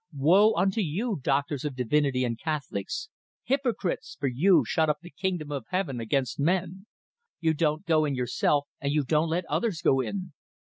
"Woe unto you, doctors of divinity and Catholics, hypocrites! for you shut up the kingdom of heaven against men; you don't go in yourself and you don't let others go in.